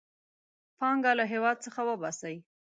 پانګه له هېواد څخه وباسي.